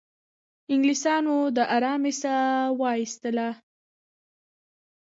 انګلیسیانو د آرامۍ ساه وایستله.